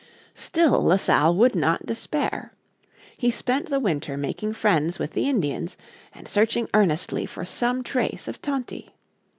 Still La Salle would not despair. He spent the winter making friends with the Indians and searching earnestly for some trace of Tonty.